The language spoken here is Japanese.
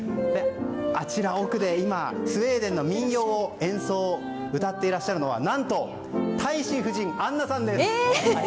あちらでスウェーデンの民謡を歌っていらっしゃるのは何と、大使夫人のアンナさんです。